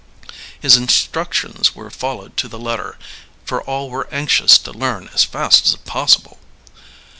His instructions were followed to the letter, for all were anxious to learn as fast as possible.